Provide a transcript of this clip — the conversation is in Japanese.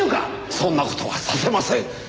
そんな事はさせません！